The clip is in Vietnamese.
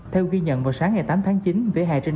theo ghi nhận vào sáng ngày tám tháng chín